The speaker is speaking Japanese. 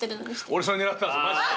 俺それ狙ってたんすよマジで。